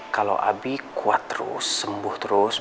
kalau abi kuat terus sembuh terus